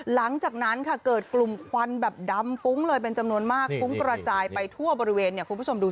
หลังจากนั้นค่ะเกิดกลุ่มควันแบบดำฟุ้งเลยเป็นจำนวนมากฟุ้งกระจายไปทั่วบริเวณเนี่ยคุณผู้ชมดู